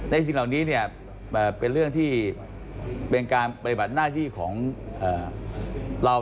สิ่งเหล่านี้เป็นเรื่องที่เป็นการปฏิบัติหน้าที่ของเรา